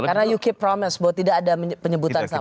karena you keep promise bahwa tidak ada penyebutan sama